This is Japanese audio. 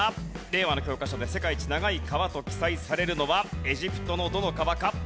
令和の教科書で世界一長い川と記載されるのはエジプトのどの川か？